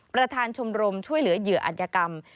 ประธานชมรมช่วยเหลือเหยื่ออัธยกรรม